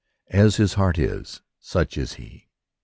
As his heart is, such is he.